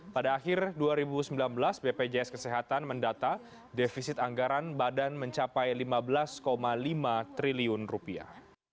pada akhir dua ribu sembilan belas bpjs kesehatan mendata defisit anggaran badan mencapai lima belas lima triliun rupiah